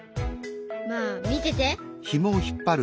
まあ見てて。